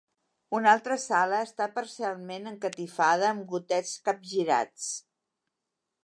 Una altra sala està parcialment encatifada amb gotets capgirats.